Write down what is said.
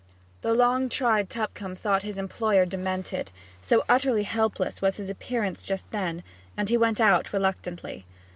The long tried Tupcombe thought his employer demented, so utterly helpless was his appearance just then, and he went out reluctantly.